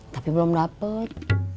tapi belum dapet